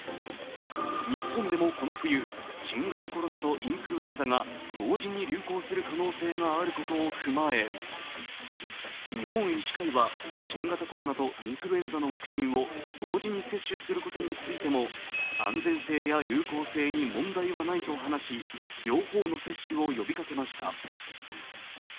日本でもこの冬新型コロナとインフルエンザが同時に流行する可能性があることを踏まえ、日本医師会は新型コロナとインフルエンザのワクチンを同時に接種することについても安全性や有効性に問題はないと話し両方の接種を呼びかけました。